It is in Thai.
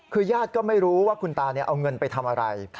คือญาติก็ไม่รู้ว่าคุณตาเอาเงินไปทำอะไร